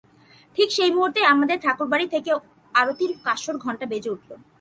ঠিক সেই মুহূর্তেই আমাদের ঠাকুরবাড়ি থেকে আরতির কাঁসর ঘণ্টা বেজে উঠল।